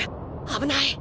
危ない！